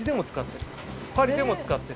パリでも使ってる。